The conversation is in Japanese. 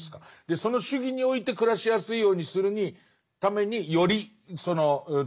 その主義において暮らしやすいようにするためによりその行為をしていく。